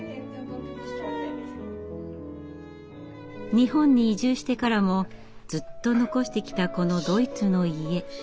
日本に移住してからもずっと残してきたこのドイツの家。